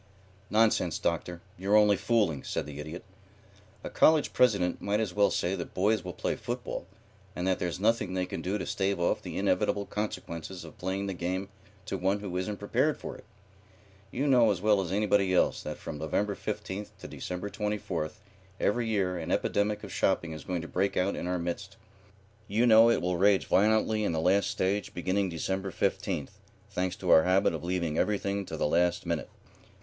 "Nonsense, Doctor. You're only fooling," said the Idiot. "A college president might as well say that boys will play football, and that there's nothing they can do to stave off the inevitable consequences of playing the game to one who isn't prepared for it. You know as well as anybody else that from November 15th to December 24th every year an epidemic of shopping is going to break out in our midst. You know that it will rage violently in the last stage beginning December 15th, thanks to our habit of leaving everything to the last minute.